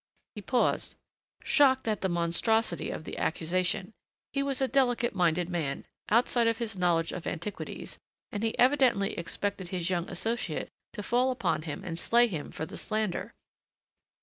He paused, shocked at the monstrosity of the accusation. He was a delicate minded man outside of his knowledge of antiquities and he evidently expected his young associate to fall upon him and slay him for the slander.